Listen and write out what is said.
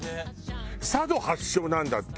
佐渡発祥なんだって。